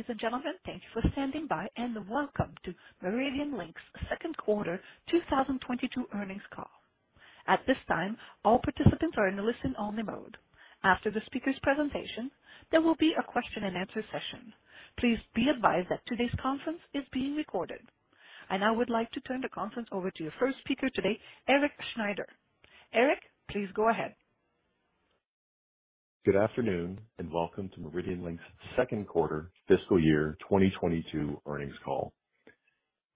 Ladies and gentlemen, thank you for standing by, and welcome to MeridianLink's second quarter 2022 earnings call. At this time, all participants are in a listen only mode. After the speaker's presentation, there will be a question and answer session. Please be advised that today's conference is being recorded. I now would like to turn the conference over to your first speaker today, Erik Schneider. Erik, please go ahead. Good afternoon, and welcome to MeridianLink's second quarter fiscal year 2022 earnings call.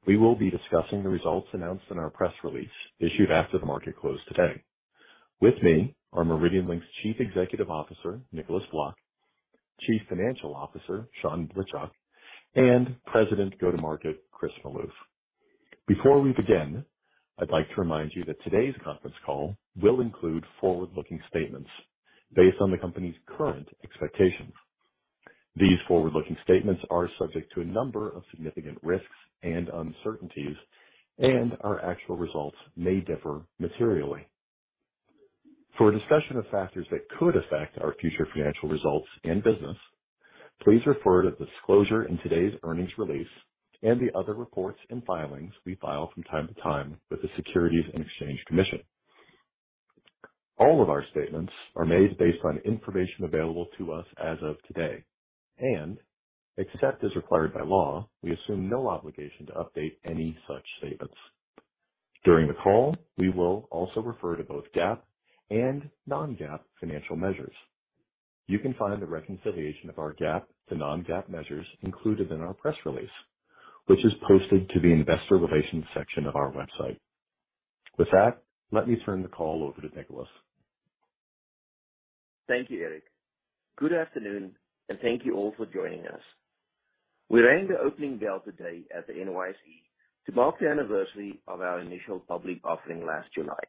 We will be discussing the results announced in our press release issued after the market closed today. With me are MeridianLink's Chief Executive Officer, Nicolaas Vlok, Chief Financial Officer, Sean Blitchok, and President, Go-To-Market, Chris Maloof. Before we begin, I'd like to remind you that today's conference call will include forward-looking statements based on the company's current expectations. These forward-looking statements are subject to a number of significant risks and uncertainties, and our actual results may differ materially. For a discussion of factors that could affect our future financial results and business, please refer to the disclosure in today's earnings release and the other reports and filings we file from time to time with the Securities and Exchange Commission. All of our statements are made based on information available to us as of today, and except as required by law, we assume no obligation to update any such statements. During the call, we will also refer to both GAAP and non-GAAP financial measures. You can find the reconciliation of our GAAP to non-GAAP measures included in our press release, which is posted to the investor relations section of our website. With that, let me turn the call over to Nicolaas. Thank you, Erik Good afternoon, and thank you all for joining us. We rang the opening bell today at the NYSE to mark the anniversary of our initial public offering last July.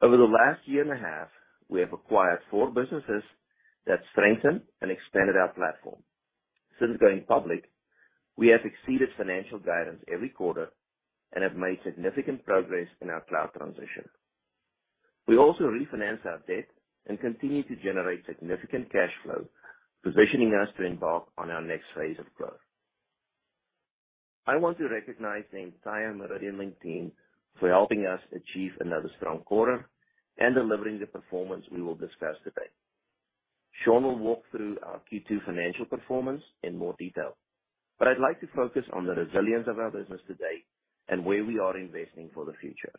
Over the last year and a half, we have acquired four businesses that strengthened and expanded our platform. Since going public, we have exceeded financial guidance every quarter and have made significant progress in our cloud transition. We also refinanced our debt and continue to generate significant cash flow, positioning us to embark on our next phase of growth. I want to recognize the entire MeridianLink team for helping us achieve another strong quarter and delivering the performance we will discuss today. Sean will walk through our Q2 financial performance in more detail, but I'd like to focus on the resilience of our business today and where we are investing for the future.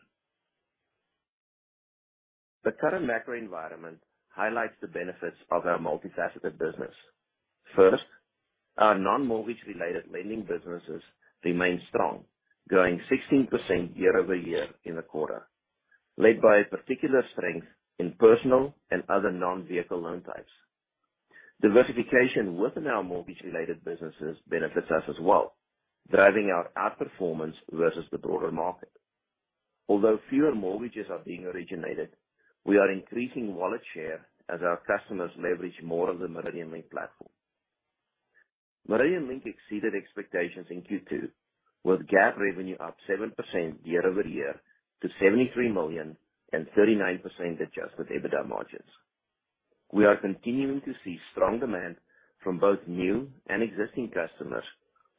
The current macro environment highlights the benefits of our multifaceted business. First, our non-mortgage related lending businesses remain strong, growing 16% year-over-year in the quarter, led by a particular strength in personal and other non-vehicle loan types. Diversification within our mortgage-related businesses benefits us as well, driving our outperformance versus the broader market. Although fewer mortgages are being originated, we are increasing wallet share as our customers leverage more of the MeridianLink platform. MeridianLink exceeded expectations in Q2, with GAAP revenue up 7% year-over-year to $73 million and 39% adjusted EBITDA margins. We are continuing to see strong demand from both new and existing customers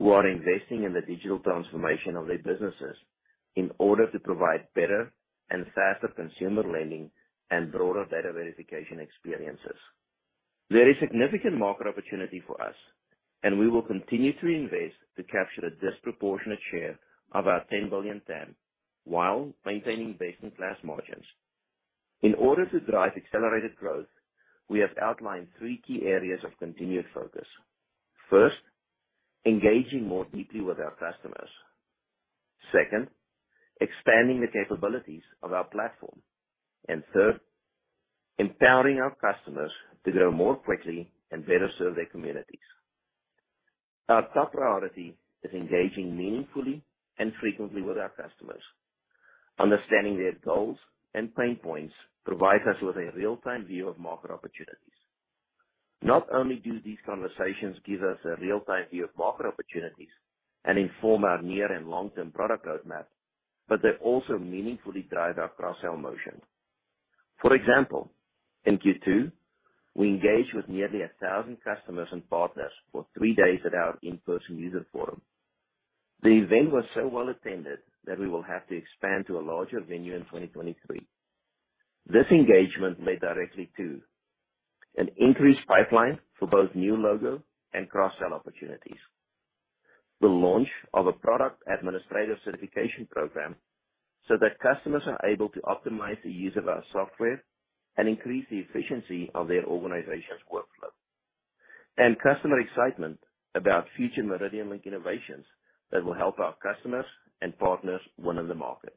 who are investing in the digital transformation of their businesses in order to provide better and faster consumer lending and broader data verification experiences. There is significant market opportunity for us, and we will continue to invest to capture a disproportionate share of our $10 billion TAM while maintaining best-in-class margins. In order to drive accelerated growth, we have outlined three key areas of continued focus. First, engaging more deeply with our customers. Second, expanding the capabilities of our platform. Third, empowering our customers to grow more quickly and better serve their communities. Our top priority is engaging meaningfully and frequently with our customers. Understanding their goals and pain points provides us with a real-time view of market opportunities. Not only do these conversations give us a real-time view of market opportunities and inform our near and long-term product roadmap, but they also meaningfully drive our cross-sell motion. For example, in Q2, we engaged with nearly 1,000 customers and partners for three days at our in-person user forum. The event was so well attended that we will have to expand to a larger venue in 2023. This engagement led directly to an increased pipeline for both new logo and cross-sell opportunities. The launch of a product administrator certification program so that customers are able to optimize the use of our software and increase the efficiency of their organization's workflow. Customer excitement about future MeridianLink innovations that will help our customers and partners win in the market.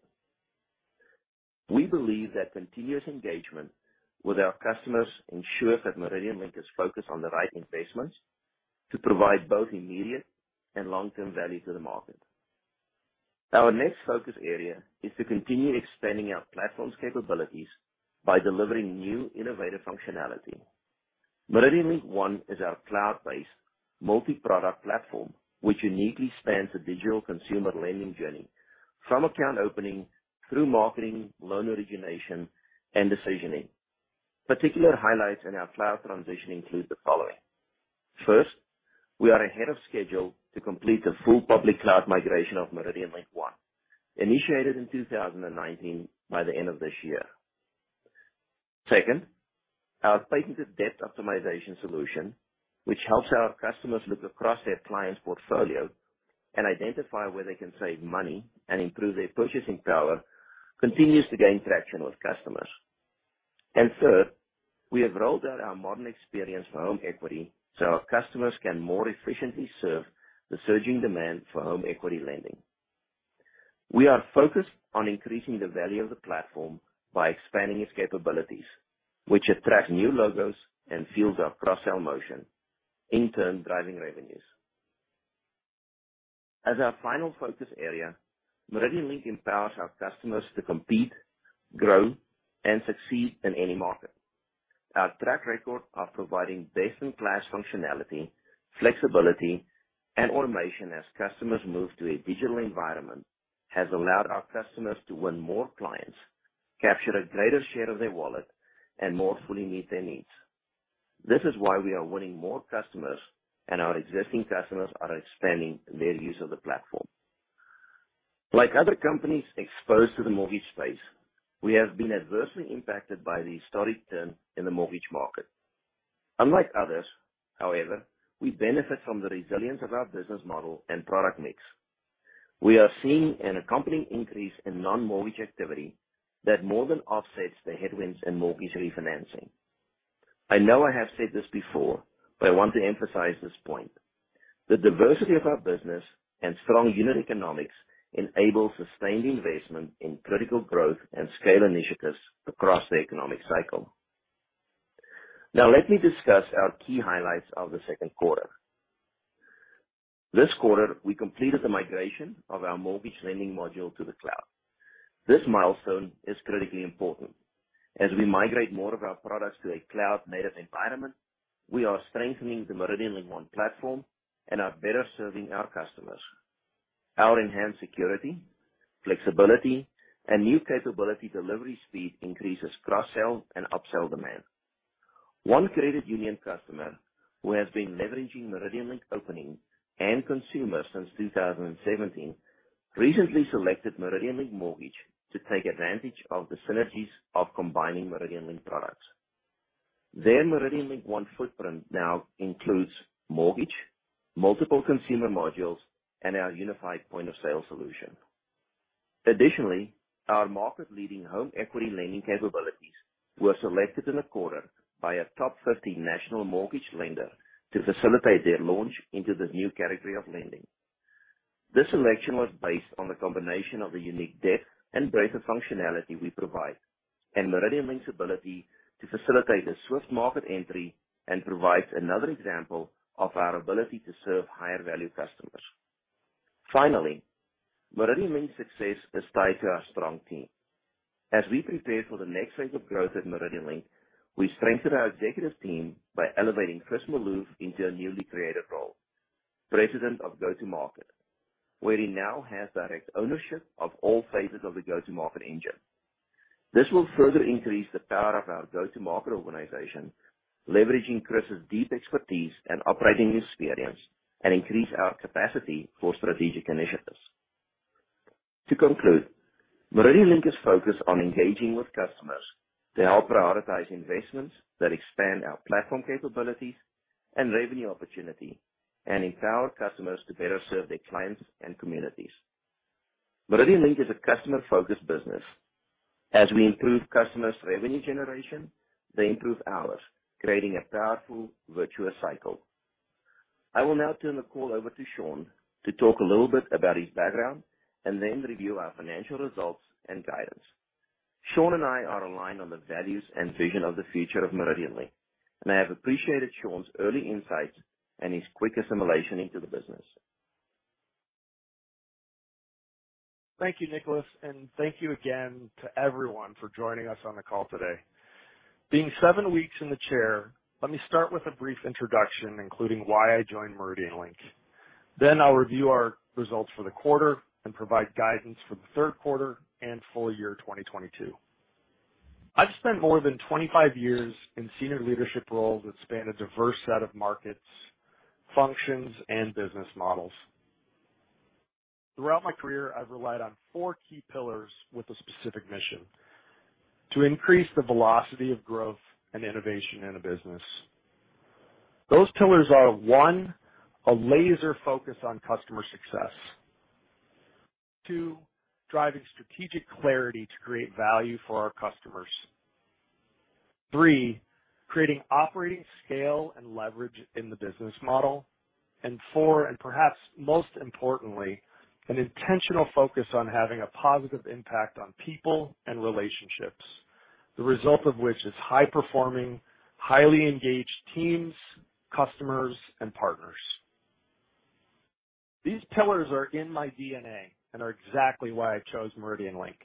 We believe that continuous engagement with our customers ensures that MeridianLink is focused on the right investments to provide both immediate and long-term value to the market. Our next focus area is to continue expanding our platform's capabilities by delivering new innovative functionality. MeridianLink One is our cloud-based multi-product platform, which uniquely spans the digital consumer lending journey from account opening through marketing, loan origination, and decisioning. Particular highlights in our cloud transition include the following. First, we are ahead of schedule to complete the full public cloud migration of MeridianLink One, initiated in 2019, by the end of this year. Second, our patented debt optimization solution, which helps our customers look across their clients' portfolio and identify where they can save money and improve their purchasing power, continues to gain traction with customers. Third, we have rolled out our modern experience for home equity so our customers can more efficiently serve the surging demand for home equity lending. We are focused on increasing the value of the platform by expanding its capabilities, which attract new logos and fuels our cross-sell motion, in turn, driving revenues. As our final focus area, MeridianLink empowers our customers to compete, grow, and succeed in any market. Our track record of providing best-in-class functionality, flexibility, and automation as customers move to a digital environment has allowed our customers to win more clients, capture a greater share of their wallet, and more fully meet their needs. This is why we are winning more customers and our existing customers are expanding their use of the platform. Like other companies exposed to the mortgage space, we have been adversely impacted by the historic turn in the mortgage market. Unlike others, however, we benefit from the resilience of our business model and product mix. We are seeing an accompanying increase in non-mortgage activity that more than offsets the headwinds in mortgage refinancing. I know I have said this before, but I want to emphasize this point. The diversity of our business and strong unit economics enable sustained investment in critical growth and scale initiatives across the economic cycle. Now, let me discuss our key highlights of the second quarter. This quarter, we completed the migration of our mortgage lending module to the cloud. This milestone is critically important. As we migrate more of our products to a cloud-native environment, we are strengthening the MeridianLink One platform and are better serving our customers. Our enhanced security, flexibility, and new capability delivery speed increases cross-sell and upsell demand. One credit union customer who has been leveraging MeridianLink Opening and Consumer since 2017 recently selected MeridianLink Mortgage to take advantage of the synergies of combining MeridianLink products. Their MeridianLink One footprint now includes mortgage, multiple consumer modules, and our unified Point of Sale solution. Additionally, our market-leading home equity lending capabilities were selected in the quarter by a top 15 national mortgage lender to facilitate their launch into this new category of lending. This selection was based on the combination of the unique depth and breadth of functionality we provide and MeridianLink's ability to facilitate a swift market entry, and provides another example of our ability to serve higher value customers. Finally, MeridianLink's success is tied to our strong team. As we prepare for the next phase of growth at MeridianLink, we strengthened our executive team by elevating Chris Maloof into a newly created role, President of Go-To-Market, where he now has direct ownership of all phases of the go-to-market engine. This will further increase the power of our go-to-market organization, leveraging Chris's deep expertise and operating experience, and increase our capacity for strategic initiatives. To conclude, MeridianLink is focused on engaging with customers to help prioritize investments that expand our platform capabilities and revenue opportunity and empower customers to better serve their clients and communities. MeridianLink is a customer-focused business. As we improve customers' revenue generation, they improve ours, creating a powerful virtuous cycle. I will now turn the call over to Sean to talk a little bit about his background and then review our financial results and guidance. Sean and I are aligned on the values and vision of the future of MeridianLink, and I have appreciated Sean's early insights and his quick assimilation into the business. Thank you, Nicolaas, and thank you again to everyone for joining us on the call today. Being seven weeks in the chair, let me start with a brief introduction, including why I joined MeridianLink. Then I'll review our results for the quarter and provide guidance for the third quarter and full year 2022. I've spent more than 25 years in senior leadership roles that span a diverse set of markets, functions, and business models. Throughout my career, I've relied on four key pillars with a specific mission: To increase the velocity of growth and innovation in a business. Those pillars are, one, a laser focus on customer success. Two, driving strategic clarity to create value for our customers. Three, creating operating scale and leverage in the business model. Four, and perhaps most importantly, an intentional focus on having a positive impact on people and relationships, the result of which is high-performing, highly engaged teams, customers, and partners. These pillars are in my DNA and are exactly why I chose MeridianLink.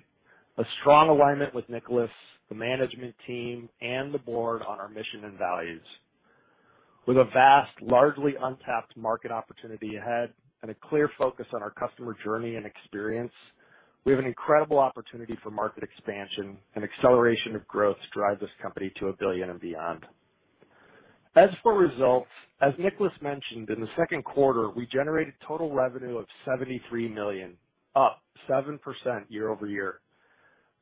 A strong alignment with Nicolaas, the management team, and the board on our mission and values. With a vast, largely untapped market opportunity ahead and a clear focus on our customer journey and experience, we have an incredible opportunity for market expansion and acceleration of growth to drive this company to a billion and beyond. As for results, as Nicolaas mentioned, in the second quarter, we generated total revenue of $73 million, up 7% year-over-year.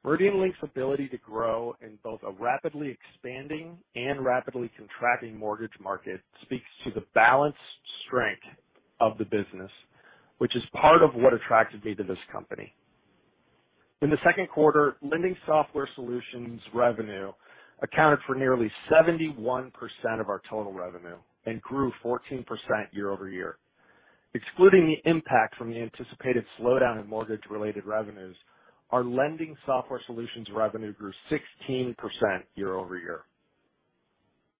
MeridianLink's ability to grow in both a rapidly expanding and rapidly contracting mortgage market speaks to the balanced strength of the business, which is part of what attracted me to this company. In the second quarter, lending software solutions revenue accounted for nearly 71% of our total revenue and grew 14% year over year. Excluding the impact from the anticipated slowdown in mortgage-related revenues, our lending software solutions revenue grew 16% year over year.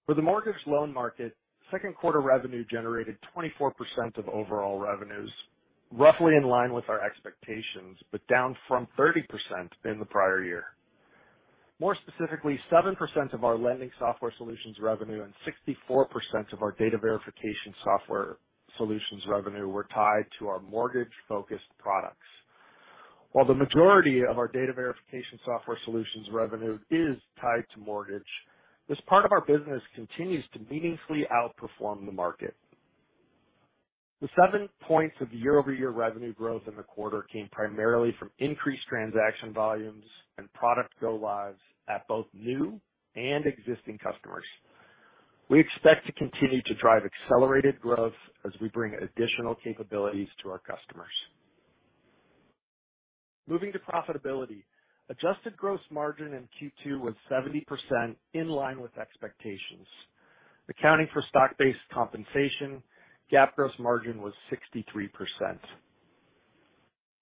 For the mortgage loan market, second quarter revenue generated 24% of overall revenues, roughly in line with our expectations, but down from 30% in the prior year. More specifically, 7% of our lending software solutions revenue and 64% of our data verification software solutions revenue were tied to our mortgage-focused products. While the majority of our data verification software solutions revenue is tied to mortgage, this part of our business continues to meaningfully outperform the market. The 7% of year-over-year revenue growth in the quarter came primarily from increased transaction volumes and product go lives at both new and existing customers. We expect to continue to drive accelerated growth as we bring additional capabilities to our customers. Moving to profitability. Adjusted gross margin in Q2 was 70% in line with expectations. Accounting for stock-based compensation, GAAP gross margin was 63%.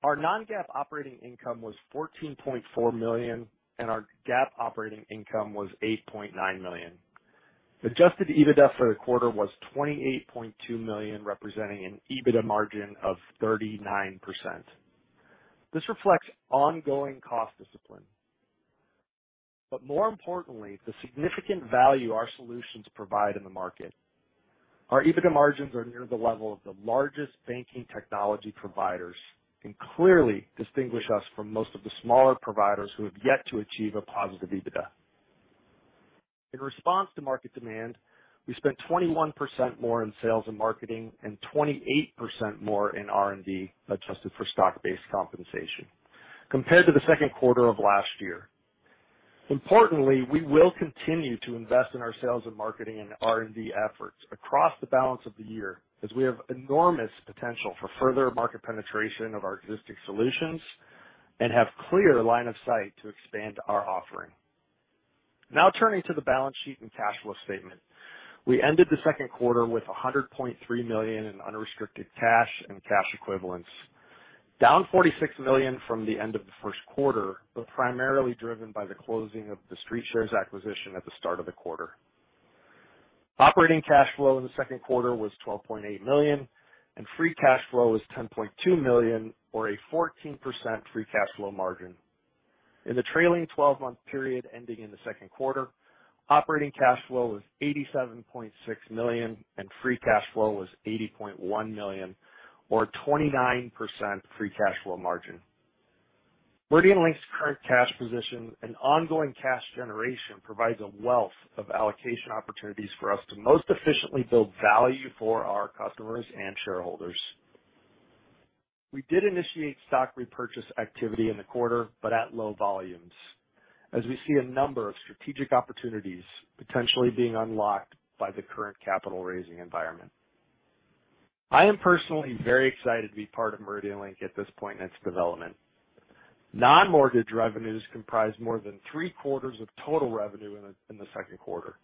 Our non-GAAP operating income was $14.4 million, and our GAAP operating income was $8.9 million. Adjusted EBITDA for the quarter was $28.2 million, representing an EBITDA margin of 39%. This reflects ongoing cost discipline, but more importantly, the significant value our solutions provide in the market. Our EBITDA margins are near the level of the largest banking technology providers and clearly distinguish us from most of the smaller providers who have yet to achieve a positive EBITDA. In response to market demand, we spent 21% more in sales and marketing and 28% more in R&D adjusted for stock-based compensation compared to the second quarter of last year. Importantly, we will continue to invest in our sales and marketing and R&D efforts across the balance of the year as we have enormous potential for further market penetration of our existing solutions and have clear line of sight to expand our offering. Now turning to the balance sheet and cash flow statement. We ended the second quarter with $100.3 million in unrestricted cash and cash equivalents, down $46 million from the end of the first quarter, but primarily driven by the closing of the StreetShares acquisition at the start of the quarter. Operating cash flow in the second quarter was $12.8 million, and free cash flow was $10.2 million or a 14% free cash flow margin. In the trailing twelve-month period ending in the second quarter, operating cash flow was $87.6 million and free cash flow was $80.1 million or 29% free cash flow margin. MeridianLink's current cash position and ongoing cash generation provides a wealth of allocation opportunities for us to most efficiently build value for our customers and shareholders. We did initiate stock repurchase activity in the quarter, but at low volumes, as we see a number of strategic opportunities potentially being unlocked by the current capital raising environment. I am personally very excited to be part of MeridianLink at this point in its development. Non-mortgage revenues comprised more than three-quarters of total revenue in the second quarter,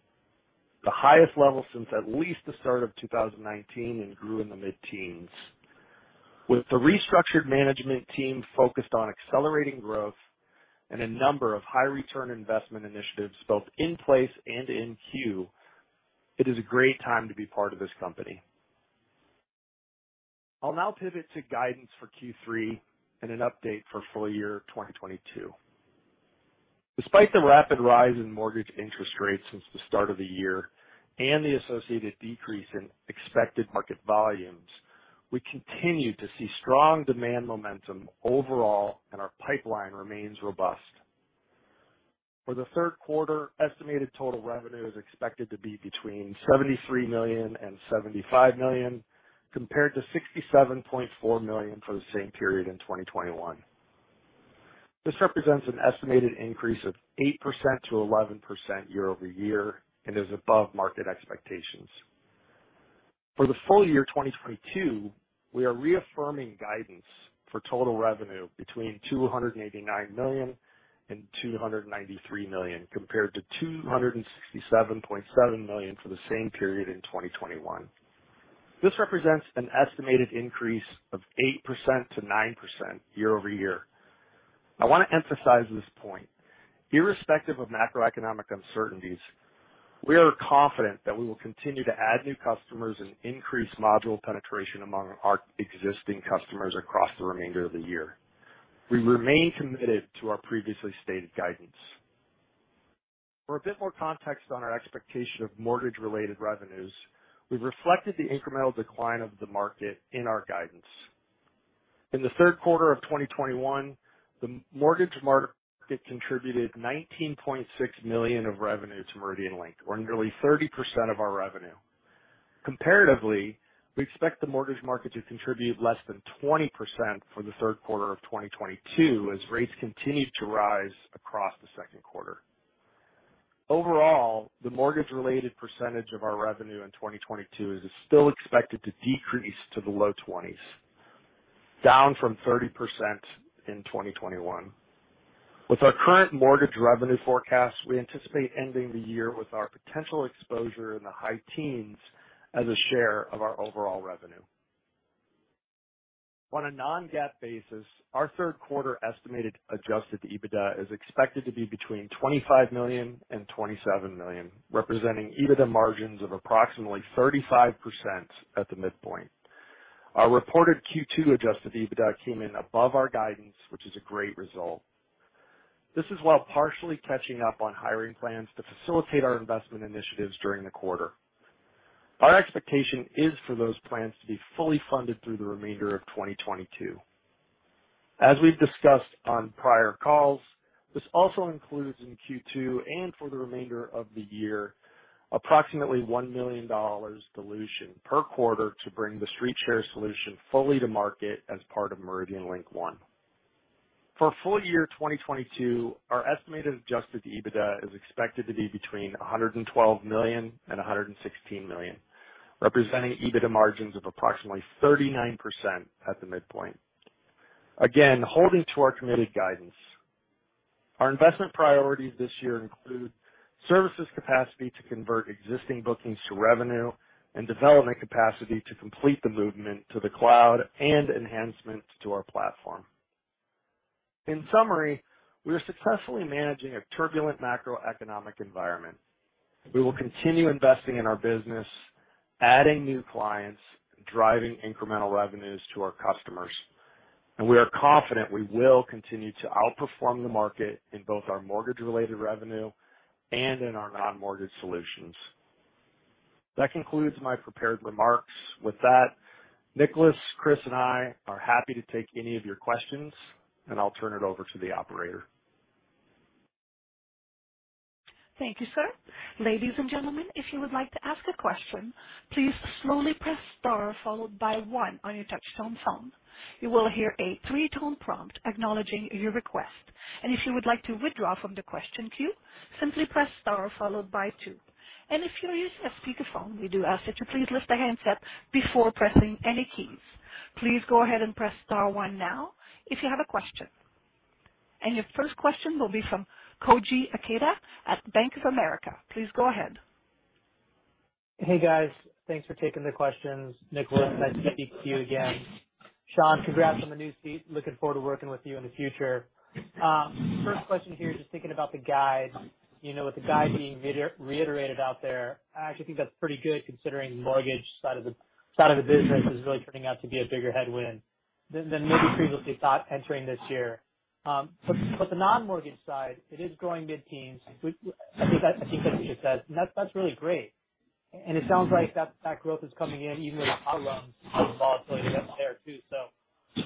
the highest level since at least the start of 2019 and grew in the mid-teens%. With the restructured management team focused on accelerating growth and a number of high return investment initiatives both in place and in queue, it is a great time to be part of this company. I'll now pivot to guidance for Q3 and an update for full year 2022. Despite the rapid rise in mortgage interest rates since the start of the year and the associated decrease in expected market volumes, we continue to see strong demand momentum overall and our pipeline remains robust. For the third quarter, estimated total revenue is expected to be between $73 million and $75 million, compared to $67.4 million for the same period in 2021. This represents an estimated increase of 8%-11% year-over-year and is above market expectations. For the full year 2022, we are reaffirming guidance for total revenue between $289 million and $293 million, compared to $267.7 million for the same period in 2021. This represents an estimated increase of 8%-9% year-over-year. I want to emphasize this point. Irrespective of macroeconomic uncertainties, we are confident that we will continue to add new customers and increase module penetration among our existing customers across the remainder of the year. We remain committed to our previously stated guidance. For a bit more context on our expectation of mortgage-related revenues, we've reflected the incremental decline of the market in our guidance. In the third quarter of 2021, the mortgage market contributed $19.6 million of revenue to MeridianLink, or nearly 30% of our revenue. Comparatively, we expect the mortgage market to contribute less than 20% for the third quarter of 2022 as rates continued to rise across the second quarter. Overall, the mortgage-related percentage of our revenue in 2022 is still expected to decrease to the low 20s, down from 30% in 2021. With our current mortgage revenue forecast, we anticipate ending the year with our potential exposure in the high teens as a share of our overall revenue. On a non-GAAP basis, our third quarter estimated adjusted EBITDA is expected to be between $25 million and $27 million, representing EBITDA margins of approximately 35% at the midpoint. Our reported Q2 adjusted EBITDA came in above our guidance, which is a great result. This is while partially catching up on hiring plans to facilitate our investment initiatives during the quarter. Our expectation is for those plans to be fully funded through the remainder of 2022. As we've discussed on prior calls, this also includes in Q2, and for the remainder of the year, approximately $1 million dilution per quarter to bring the StreetShares solution fully to market as part of MeridianLink One. For full year 2022, our estimated adjusted EBITDA is expected to be between $112 million and $116 million, representing EBITDA margins of approximately 39% at the midpoint. Again, holding to our committed guidance. Our investment priorities this year include services capacity to convert existing bookings to revenue and development capacity to complete the movement to the cloud and enhancements to our platform. In summary, we are successfully managing a turbulent macroeconomic environment. We will continue investing in our business, adding new clients, driving incremental revenues to our customers, and we are confident we will continue to outperform the market in both our mortgage-related revenue and in our non-mortgage solutions. That concludes my prepared remarks. With that, Nicolaas, Chris, and I are happy to take any of your questions, and I'll turn it over to the operator. Thank you, sir. Ladies and gentlemen, if you would like to ask a question, please slowly press star followed by one on your touch-tone phone. You will hear a three-tone prompt acknowledging your request. If you would like to withdraw from the question queue, simply press star followed by two. If you're using a speakerphone, we do ask that you please lift the handset before pressing any keys. Please go ahead and press star one now if you have a question. Your first question will be from Koji Ikeda at Bank of America. Please go ahead. Hey, guys. Thanks for taking the questions. Nicolaas, nice to speak to you again. Sean, congrats on the new seat. Looking forward to working with you in the future. First question here, just thinking about the guide. You know, with the guide being reiterated out there, I actually think that's pretty good, considering the mortgage side of the business is really turning out to be a bigger headwind than maybe previously thought entering this year. The non-mortgage side, it is growing mid-teens. I think that's what you said, and that's really great. It sounds like that growth is coming in even with the hot run volatility that's there too.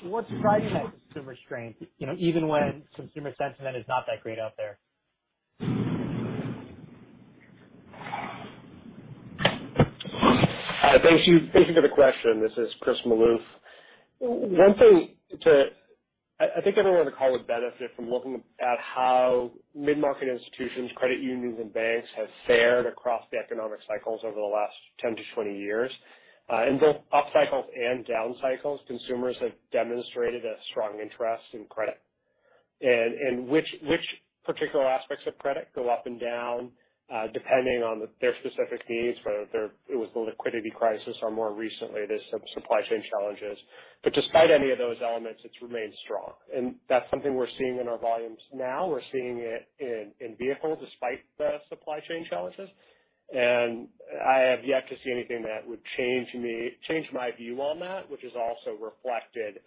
What's driving that consumer strength, you know, even when consumer sentiment is not that great out there? Thank you. Thank you for the question. This is Chris Maloof. One thing, I think everyone on the call would benefit from looking at how mid-market institutions, credit unions, and banks have fared across the economic cycles over the last 10 to 20 years. In both up cycles and down cycles, consumers have demonstrated a strong interest in credit. Particular aspects of credit go up and down depending on their specific needs, whether it was the liquidity crisis or more recently, the supply chain challenges. Despite any of those elements, it's remained strong, and that's something we're seeing in our volumes now. We're seeing it in vehicles despite the supply chain challenges. I have yet to see anything that would change my view on that, which is also reflected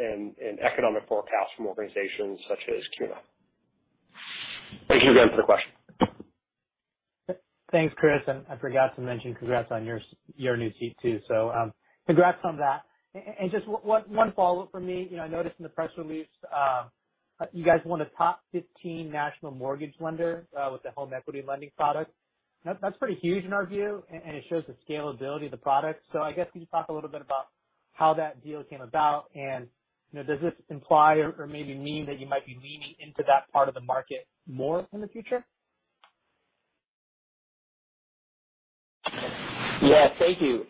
in economic forecasts from organizations such as CUNA. Thank you again for the question. Thanks, Chris, and I forgot to mention congrats on your new seat too. Congrats on that. Just one follow-up from me. You know, I noticed in the press release, you guys won the top 15 national mortgage lender with the home equity lending product. That's pretty huge in our view and it shows the scalability of the product. I guess can you talk a little bit about how that deal came about and, you know, does this imply or maybe mean that you might be leaning into that part of the market more in the future? Yeah. Thank you.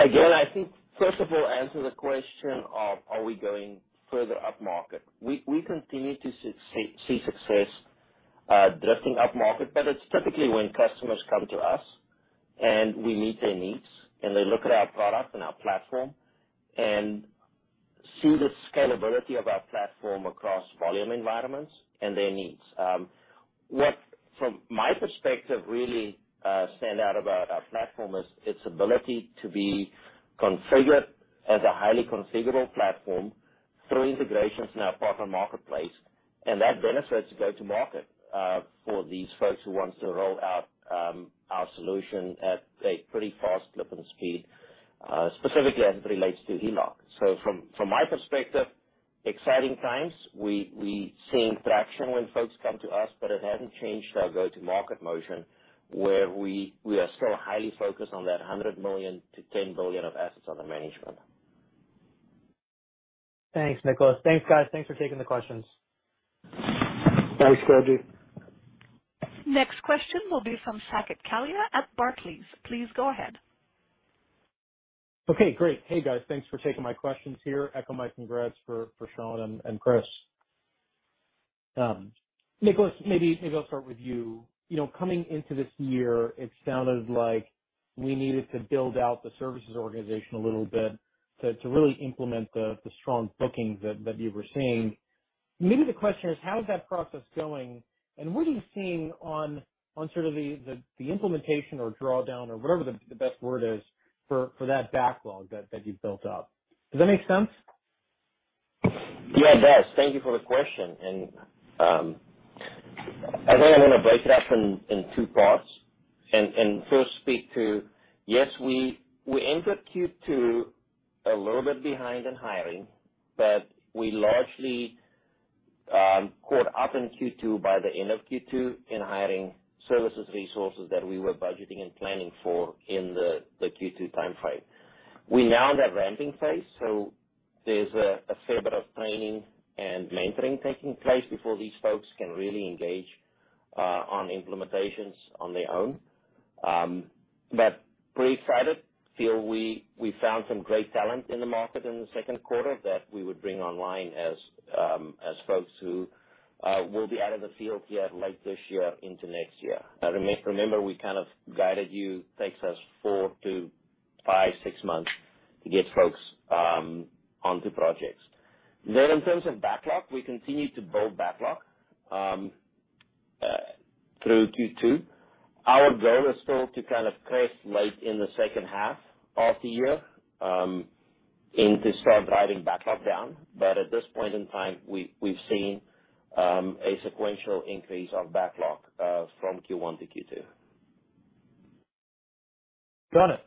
Again, I think first of all, answer the question of are we going further up market? We continue to see success drifting up market, but it's typically when customers come to us and we meet their needs and they look at our product and our platform and see the scalability of our platform across volume environments and their needs. From my perspective, what really stands out about our platform is its ability to be configured as a highly configurable platform through integrations in our partner marketplace, and that benefits go-to-market for these folks who wants to roll out our solution at a pretty fast clip and speed, specifically as it relates to HELOC. From my perspective, exciting times. We're seeing traction when folks come to us, but it hasn't changed our go-to-market motion where we are still highly focused on that $100 million-$10 billion of assets under management. Thanks, Nicolaas. Thanks, guys. Thanks for taking the questions. Thanks, Koji. Next question will be from Saket Kalia at Barclays. Please go ahead. Okay, great. Hey, guys. Thanks for taking my questions here. Echo my congrats for Sean and Chris. Nicolaas, maybe I'll start with you. You know, coming into this year, it sounded like we needed to build out the services organization a little bit to really implement the strong bookings that you were seeing. Maybe the question is: How is that process going, and what are you seeing on sort of the implementation or drawdown or whatever the best word is for that backlog that you've built up? Does that make sense? Yeah, it does. Thank you for the question. I think I'm gonna break it up in two parts. First speak to, yes, we entered Q2 a little bit behind in hiring, but we largely caught up in Q2 by the end of Q2 in hiring services resources that we were budgeting and planning for in the Q2 timeframe. We now in that ramping phase, so there's a fair bit of training and mentoring taking place before these folks can really engage on implementations on their own. Pretty excited. Feel we found some great talent in the market in the second quarter that we would bring online as folks who will be out of the field here late this year into next year. Remember we kind of guided you, takes us 4 to 5, 6 months to get folks onto projects. In terms of backlog, we continue to build backlog through Q2. Our goal is still to kind of crest late in the second half of the year and to start driving backlog down. At this point in time, we've seen a sequential increase of backlog from Q1 to Q2. Got it.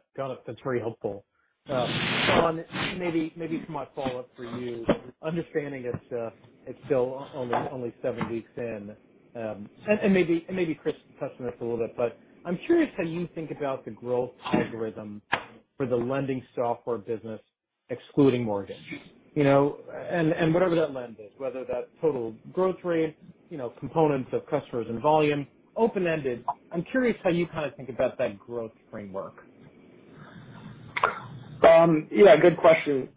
That's very helpful. Sean, maybe for my follow-up for you, understanding it's still only seven weeks in, and maybe Chris touching this a little bit, but I'm curious how you think about the growth algorithm for the lending software business excluding mortgage. You know, and whatever that lens is, whether that's total growth rate, you know, components of customers and volume. Open-ended. I'm curious how you kinda think about that growth framework. Yeah, good question.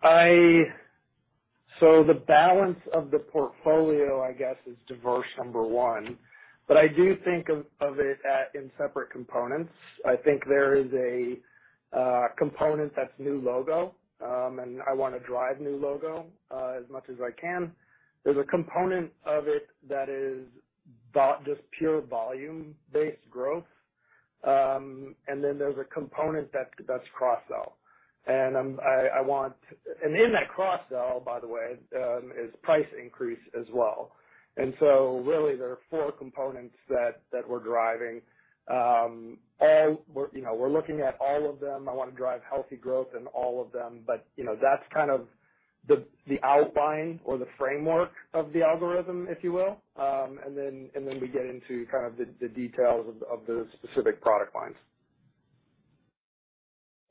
The balance of the portfolio, I guess, is diverse, number one. I do think of it in separate components. I think there is a component that's new logo, and I wanna drive new logo as much as I can. There's a component of it that is just pure volume-based growth. Then there's a component that's cross-sell. In that cross-sell, by the way, is price increase as well. Really there are four components that we're driving. We're, you know, looking at all of them. I wanna drive healthy growth in all of them, but, you know, that's kind of the outline or the framework of the algorithm, if you will. We get into kind of the details of the specific product lines.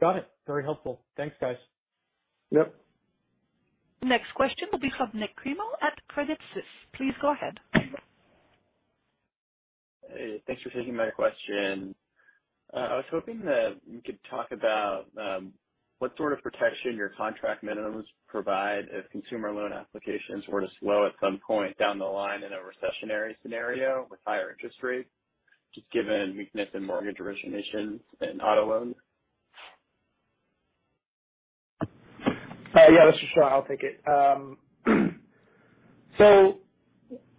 Got it. Very helpful. Thanks, guys. Yep. Next question will be from Nik Cremo at Credit Suisse. Please go ahead. Hey. Thanks for taking my question. I was hoping that you could talk about what sort of protection your contract minimums provide if consumer loan applications were to slow at some point down the line in a recessionary scenario with higher interest rates, just given weakness in mortgage originations and auto loans. Yeah. This is Sean. I'll take it.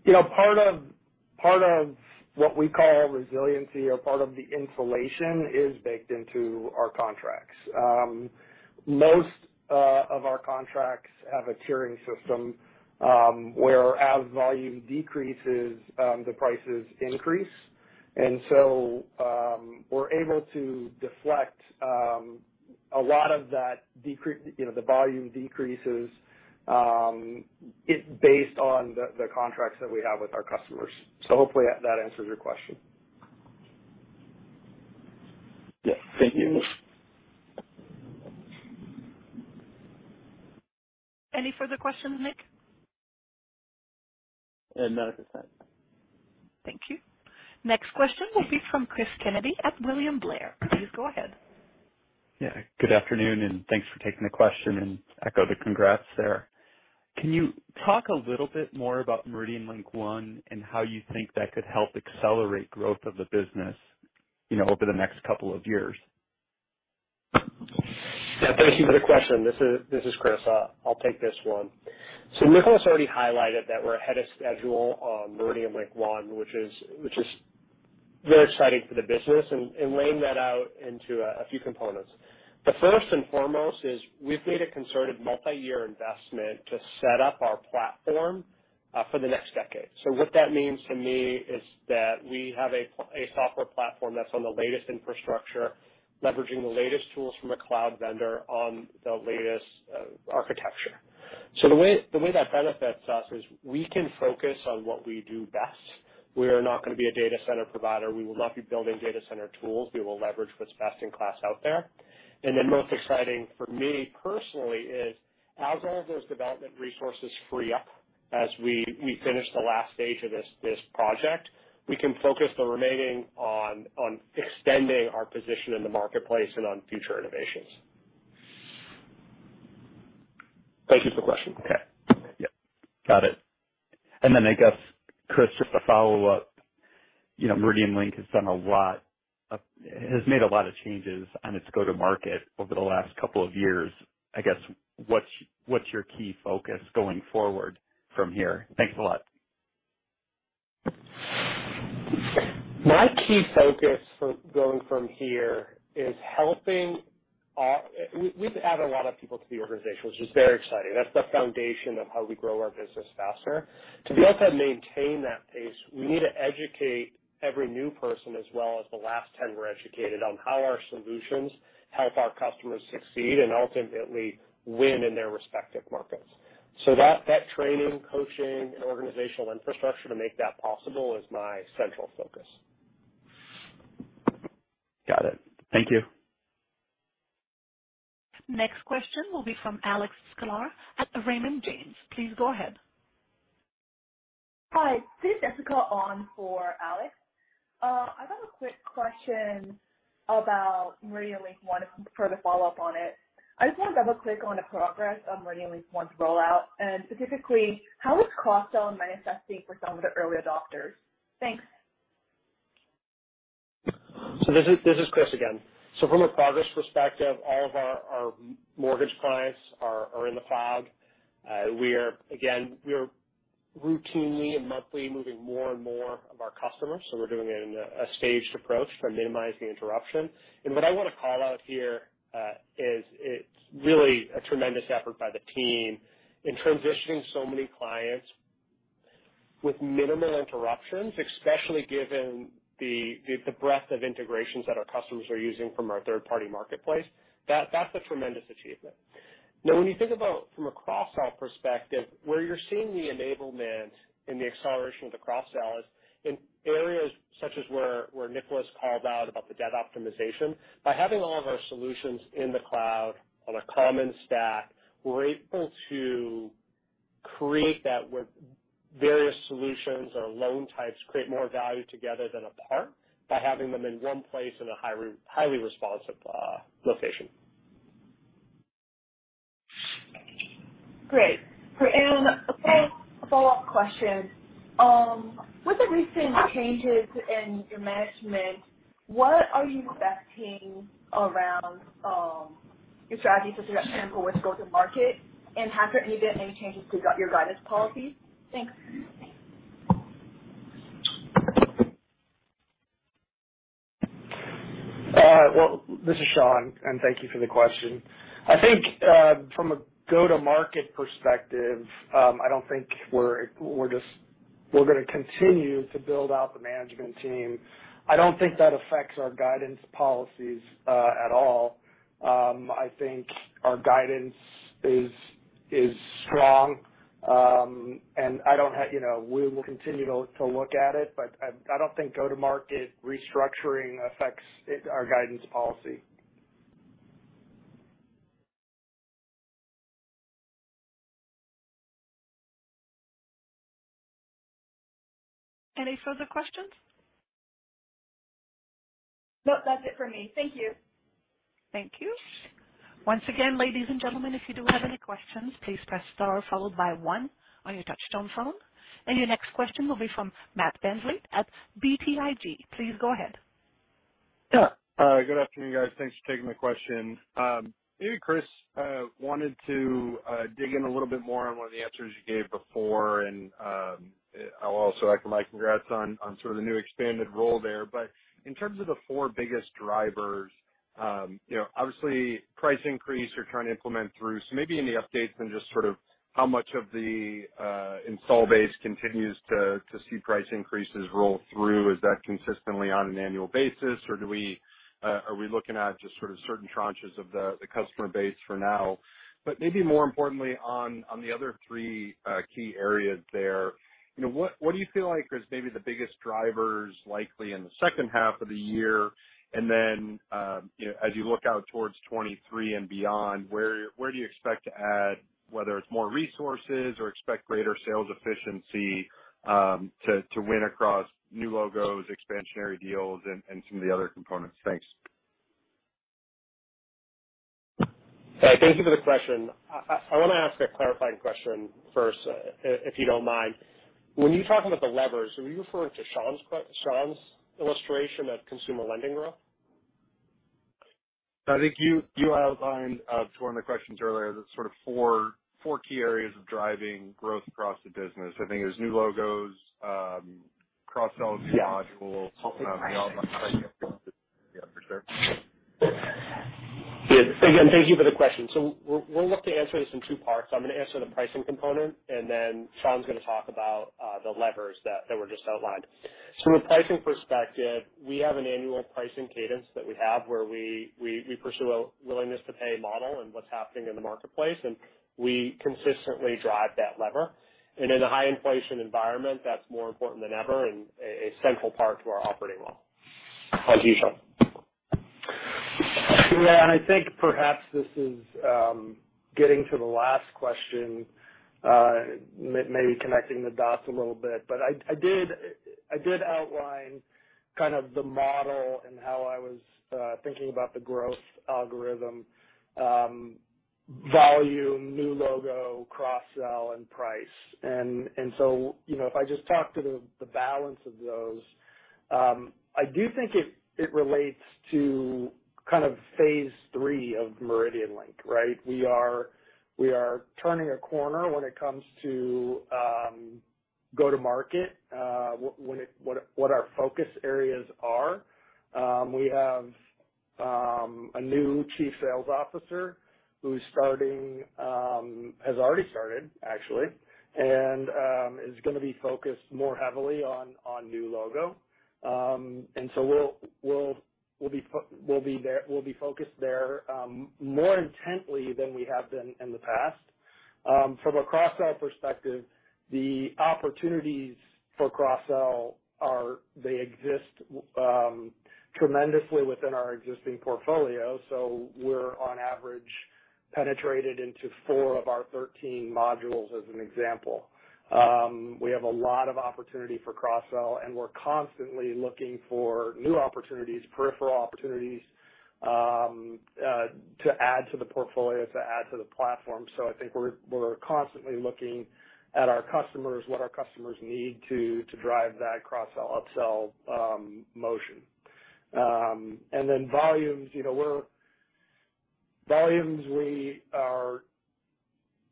You know, part of what we call resiliency or part of the insulation is baked into our contracts. Most of our contracts have a tiering system, whereas volume decreases, the prices increase. We're able to deflect a lot of that, you know, the volume decreases, it's based on the contracts that we have with our customers. Hopefully that answers your question. Yeah. Thank you. Any further questions, Nik? Not at this time. Thank you. Next question will be from Chris Kennedy at William Blair. Please go ahead. Yeah. Good afternoon, and thanks for taking the question, and echo the congrats there. Can you talk a little bit more about MeridianLink One and how you think that could help accelerate growth of the business, you know, over the next couple of years? Yeah, thank you for the question. This is Chris. I'll take this one. Nicolaas already highlighted that we're ahead of schedule on MeridianLink One, which is very exciting for the business and laying that out into a few components. The first and foremost is we've made a concerted multi-year investment to set up our platform for the next decade. What that means to me is that we have a software platform that's on the latest infrastructure, leveraging the latest tools from a cloud vendor on the latest architecture. The way that benefits us is we can focus on what we do best. We are not gonna be a data center provider. We will not be building data center tools. We will leverage what's best in class out there. Most exciting for me personally is as all of those development resources free up as we finish the last stage of this project, we can focus the remaining on extending our position in the marketplace and on future innovations. Thank you for the question. Okay. Yep. Got it. Then I guess, Chris, just to follow up, you know, MeridianLink has made a lot of changes on its go-to-market over the last couple of years. I guess, what's your key focus going forward from here? Thanks a lot. My key focus going forward is we've added a lot of people to the organization, which is very exciting. That's the foundation of how we grow our business faster. To be able to maintain that pace, we need to educate every new person as well as the last ten were educated on how our solutions help our customers succeed and ultimately win in their respective markets. That training, coaching, and organizational infrastructure to make that possible is my central focus. Got it. Thank you. Next question will be from Alex Sklar at Raymond James. Please go ahead. Hi, this is Jessica on for Alex. I've got a quick question about MeridianLink One for the follow-up on it. I just wanna double click on the progress on MeridianLink One's rollout, and specifically how is cross-sell manifesting for some of the early adopters? Thanks. This is Chris again. From a progress perspective, all of our mortgage clients are in the cloud. We are routinely and monthly moving more and more of our customers, so we're doing it in a staged approach to minimize the interruption. What I wanna call out here is it's really a tremendous effort by the team in transitioning so many clients with minimal interruptions, especially given the breadth of integrations that our customers are using from our third-party marketplace. That's a tremendous achievement. Now, when you think about from a cross-sell perspective, where you're seeing the enablement and the acceleration of the cross-sell is in areas such as where Nicolaas called out about the debt optimization. By having all of our solutions in the cloud on a common stack, we're able to create that where various solutions or loan types create more value together than apart by having them in one place in a highly responsive location. Great. A quick follow-up question. With the recent changes in your management, what are you expecting around your strategies with respect to go-to-market? Have there been any changes to your guidance policy? Thanks. Well, this is Sean, and thank you for the question. I think from a go-to-market perspective, I don't think we're gonna continue to build out the management team. I don't think that affects our guidance policies at all. I think our guidance is strong. You know, we will continue to look at it, but I don't think go-to-market restructuring affects it, our guidance policy. Any further questions? Nope. That's it for me. Thank you. Thank you. Once again, ladies and gentlemen, if you do have any questions, please press star followed by one on your touchtone phone. Your next question will be from Matt VanVliet at BTIG. Please go ahead. Yeah. Good afternoon, guys. Thanks for taking my question. Maybe Chris wanted to dig in a little bit more on one of the answers you gave before. I'll also like congrats on sort of the new expanded role there. In terms of the four biggest drivers, you know, obviously price increase you're trying to implement through. Maybe any updates on just sort of how much of the installed base continues to see price increases roll through? Is that consistently on an annual basis, or are we looking at just sort of certain tranches of the customer base for now? Maybe more importantly on the other three key areas there. You know, what do you feel like is maybe the biggest drivers likely in the second half of the year? You know, as you look out towards 2023 and beyond, where do you expect to add, whether it's more resources or expect greater sales efficiency, to win across new logos, expansionary deals and some of the other components? Thanks. Thank you for the question. I wanna ask a clarifying question first, if you don't mind. When you talk about the levers, are you referring to Sean's illustration of consumer lending growth? I think you outlined to one of the questions earlier, the sort of four key areas of driving growth across the business. I think there's new logos, cross-sell to modules- Yeah. Yeah, for sure. Yeah. Again, thank you for the question. We'll look to answer this in two parts. I'm gonna answer the pricing component, and then Sean's gonna talk about the levers that were just outlined. From a pricing perspective, we have an annual pricing cadence that we have where we pursue a willingness to pay model and what's happening in the marketplace, and we consistently drive that lever. In a high inflation environment, that's more important than ever and a central part to our operating model as usual. Yeah, I think perhaps this is getting to the last question, maybe connecting the dots a little bit, but I did outline kind of the model and how I was thinking about the growth algorithm, volume, new logo, cross-sell and price. You know, if I just talk to the balance of those, I do think it relates to kind of phase three of MeridianLink, right? We are turning a corner when it comes to go-to-market, what our focus areas are. We have a new Chief Sales Officer who has already started actually, and is gonna be focused more heavily on new logo. We'll be focused there more intently than we have been in the past. From a cross-sell perspective, the opportunities for cross-sell are. They exist tremendously within our existing portfolio. We're on average penetrated into four of our 13 modules, as an example. We have a lot of opportunity for cross-sell, and we're constantly looking for new opportunities, peripheral opportunities, to add to the portfolio, to add to the platform. I think we're constantly looking at our customers, what our customers need to drive that cross-sell, up-sell motion. Volumes, you know, we are,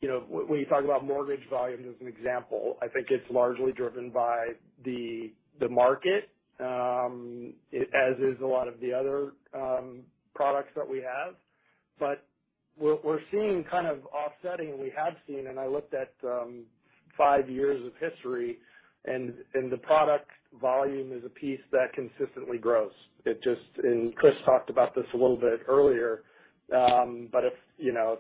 you know, when you talk about mortgage volume as an example, I think it's largely driven by the market, as is a lot of the other products that we have. But we're seeing kind of offsetting, we have seen, and I looked at five years of history and the product volume is a piece that consistently grows. It just, Chris talked about this a little bit earlier. If you know,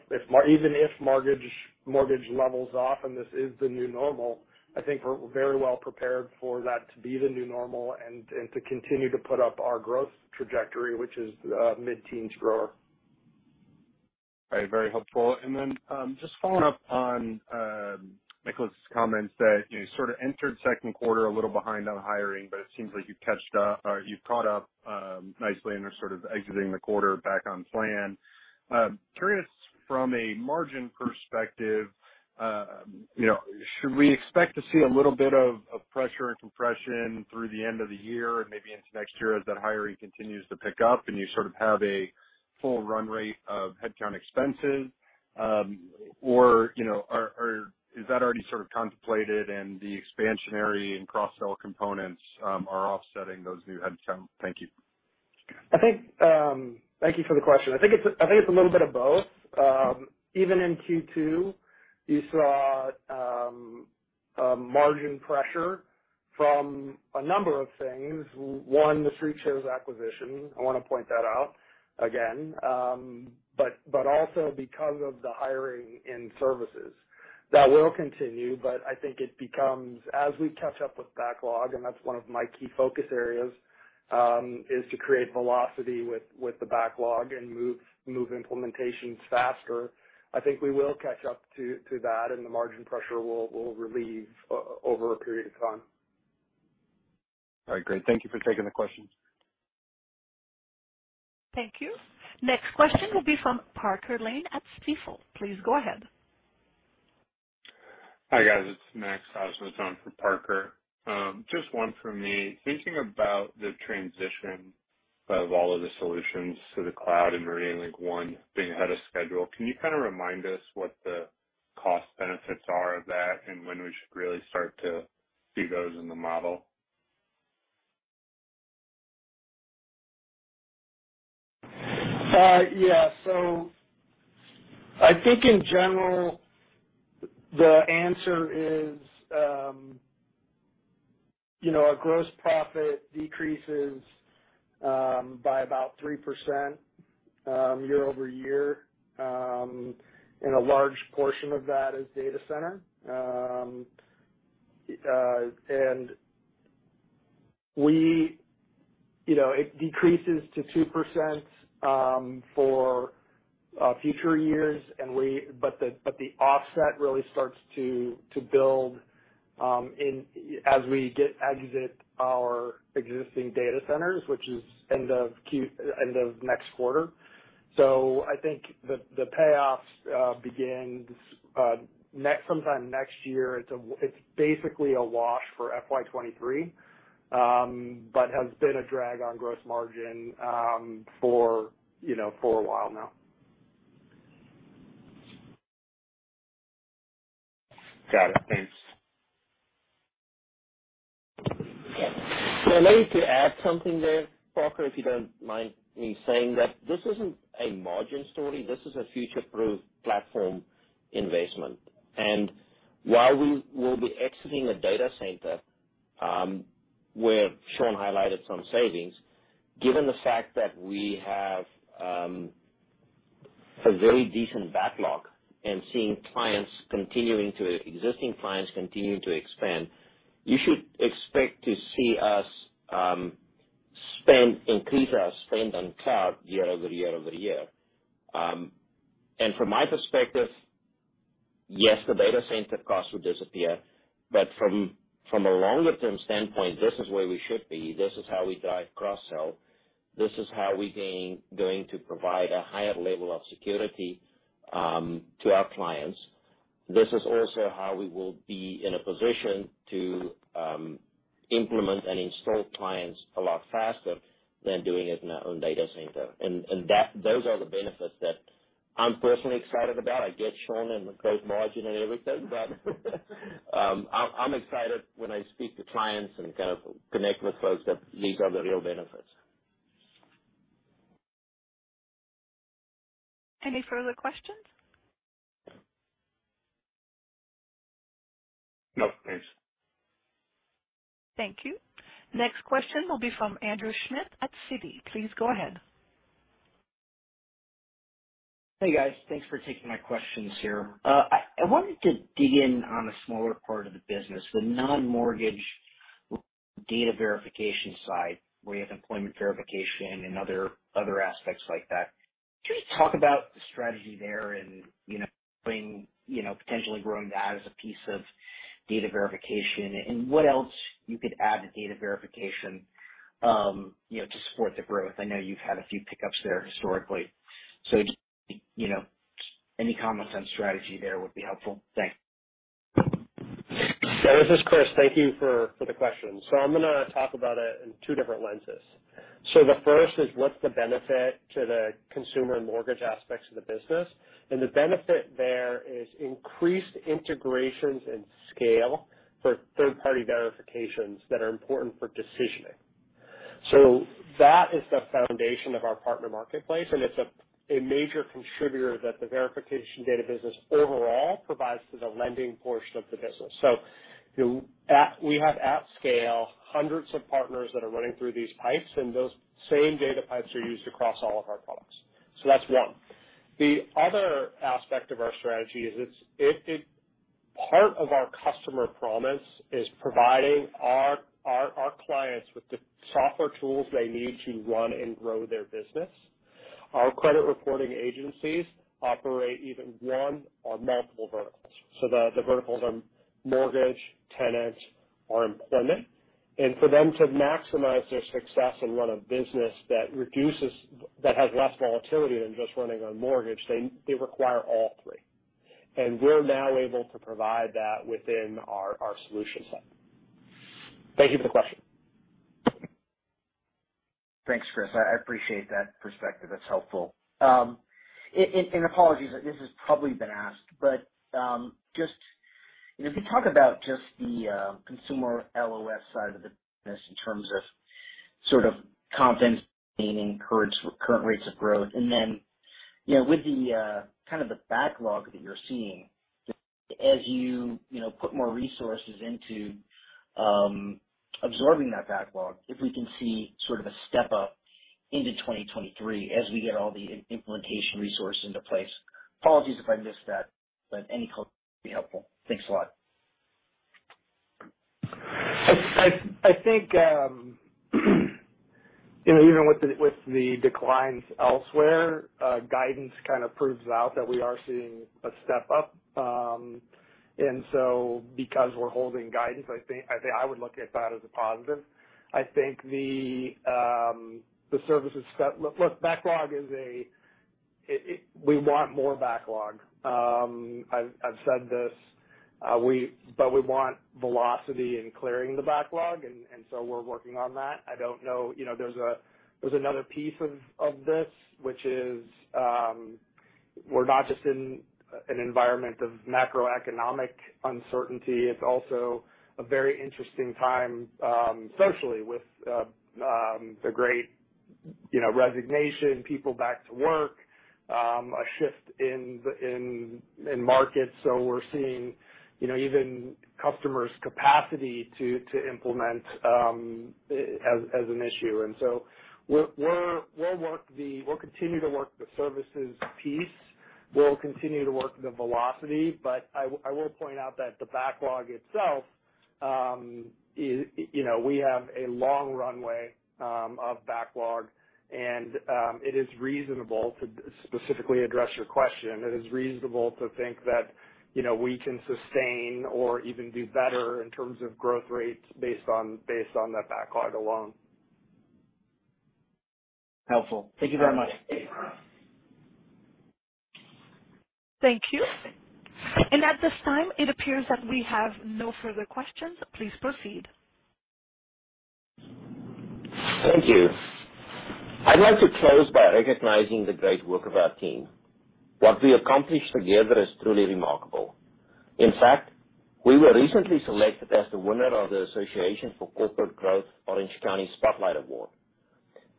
even if mortgage levels off and this is the new normal, I think we're very well prepared for that to be the new normal and to continue to put up our growth trajectory, which is mid-teens grower. Right. Very helpful. Just following up on Nicolaas's comments that you sort of entered second quarter a little behind on hiring, but it seems like you've caught up nicely and are sort of exiting the quarter back on plan. Curious from a margin perspective, you know, should we expect to see a little bit of pressure and compression through the end of the year and maybe into next year as that hiring continues to pick up and you sort of have a full run rate of headcount expenses? Or, you know, is that already sort of contemplated and the expansionary and cross-sell components are offsetting those new headcount? Thank you. I think. Thank you for the question. I think it's a little bit of both. Even in Q2, you saw a margin pressure from a number of things. One, the StreetShares acquisition, I wanna point that out again. But also because of the hiring in services. That will continue, but I think it becomes as we catch up with backlog, and that's one of my key focus areas is to create velocity with the backlog and move implementations faster. I think we will catch up to that, and the margin pressure will relieve over a period of time. All right, great. Thank you for taking the questions. Thank you. Next question will be from Parker Lane at Stifel. Please go ahead. Hi, guys. It's Max Osnowitz on for Parker. Just one for me. Thinking about the transition of all of the solutions to the cloud and MeridianLink One being ahead of schedule, can you kind of remind us what the cost benefits are of that and when we should really start to see those in the model? Yeah. I think in general, the answer is, you know, our gross profit decreases by about 3% year-over-year. A large portion of that is data center. It decreases to 2% for future years, but the offset really starts to build as we exit our existing data centers, which is end of next quarter. I think the payoffs begin sometime next year. It's basically a wash for FY 2023, but has been a drag on gross margin for, you know, for a while now. Got it. Thanks. Yeah. Let me just add something there, Parker, if you don't mind me saying that this isn't a margin story, this is a future-proof platform investment. While we will be exiting the data center, where Sean highlighted some savings, given the fact that we have a very decent backlog and existing clients continue to expand, you should expect to see us increase our spend on cloud year over year over year. From my perspective, yes, the data center costs will disappear. From a longer term standpoint, this is where we should be. This is how we drive cross-sell. This is how we going to provide a higher level of security to our clients. This is also how we will be in a position to implement and install clients a lot faster than doing it in our own data center. Those are the benefits that I'm personally excited about. I get Sean and the gross margin and everything, but I'm excited when I speak to clients and kind of connect with folks that these are the real benefits. Any further questions? No, thanks. Thank you. Next question will be from Andrew Schmidt at Citi. Please go ahead. Hey, guys. Thanks for taking my questions here. I wanted to dig in on the smaller part of the business, the non-mortgage data verification side, where you have employment verification and other aspects like that. Can you talk about the strategy there and, you know, growing, you know, potentially growing that as a piece of data verification and what else you could add to data verification, you know, to support the growth? I know you've had a few pickups there historically, so just, you know, any comments on strategy there would be helpful. Thanks. Yeah, this is Chris. Thank you for the question. I'm gonna talk about it in two different lenses. The first is what's the benefit to the consumer and mortgage aspects of the business? The benefit there is increased integrations and scale for third-party verifications that are important for decisioning. That is the foundation of our partner marketplace, and it's a major contributor that the verification data business overall provides to the lending portion of the business. You know, we have at scale hundreds of partners that are running through these pipes, and those same data pipes are used across all of our products. That's one. The other aspect of our strategy is. Part of our customer promise is providing our clients with the software tools they need to run and grow their business. Our consumer reporting agencies operate either one or multiple verticals. The verticals are mortgage, tenant or employment. For them to maximize their success and run a business that has less volatility than just running on mortgage, they require all three. We're now able to provide that within our solution set. Thank you for the question. Thanks, Chris. I appreciate that perspective. That's helpful. Apologies if this has probably been asked, but just, you know, if you talk about just the consumer LOS side of the business in terms of sort of confidence maintaining current rates of growth. You know, with the kind of the backlog that you're seeing, as you know, put more resources into absorbing that backlog, if we can see sort of a step up into 2023 as we get all the implementation resources into place. Apologies if I missed that, but any color would be helpful. Thanks a lot. I think you know even with the declines elsewhere guidance kind of proves out that we are seeing a step up. Because we're holding guidance I think I would look at that as a positive. I think the services step. Look backlog is a. We want more backlog. I've said this we want velocity in clearing the backlog and so we're working on that. I don't know you know there's another piece of this which is we're not just in an environment of macroeconomic uncertainty. It's also a very interesting time socially with the great you know resignation people back to work a shift in the markets. We're seeing even customers' capacity to implement as an issue. We'll continue to work the services piece. We'll continue to work the velocity. I will point out that the backlog itself is we have a long runway of backlog and it is reasonable to specifically address your question. It is reasonable to think that we can sustain or even do better in terms of growth rates based on that backlog alone. Helpful. Thank you very much. Thank you. At this time, it appears that we have no further questions. Please proceed. Thank you. I'd like to close by recognizing the great work of our team. What we accomplished together is truly remarkable. In fact, we were recently selected as the winner of the Association for Corporate Growth Orange County Spotlight Award.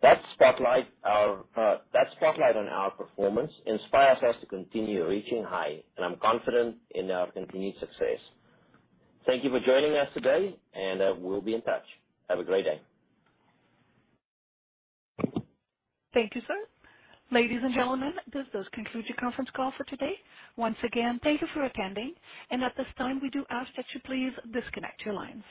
That spotlight on our performance inspires us to continue reaching high, and I'm confident in our continued success. Thank you for joining us today, and we'll be in touch. Have a great day. Thank you, sir. Ladies and gentlemen, this does conclude your conference call for today. Once again, thank you for attending. At this time, we do ask that you please disconnect your lines.